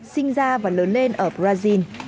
sinh ra và lớn lên ở brazil